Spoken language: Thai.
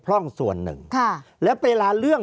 ภารกิจสรรค์ภารกิจสรรค์